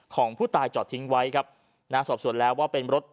ของผู้ตายจอดทิ้งไว้ครับนะสอบส่วนแล้วว่าเป็นรถ